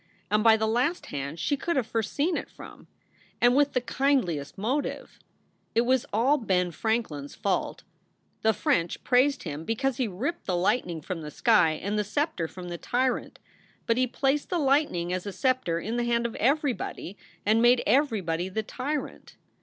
And by the last hand she could have foreseen it from. And with the kindliest motive. It was all Ben Franklin s fault. The French praised him because "he ripped the lightning from the sky and the scepter from the tyrant." But he placed the lightning as a scepter in the hand of everybody and made everybody the tyrant.